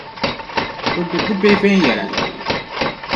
bɛ gbibi bɛ bihi viɛnyɛla.